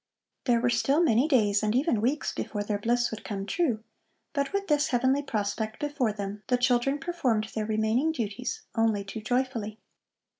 There were still many days and even weeks before their bliss would come true, but with this heavenly prospect before them the children performed their remaining duties only too joyfully.